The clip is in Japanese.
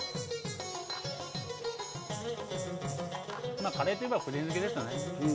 まあカレーといえば福神漬けですよね。